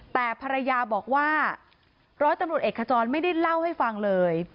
แต่ภรรยาบอกว่าร้อยตำรวจเอกขจรไม่ได้เล่าให้ฟังเลย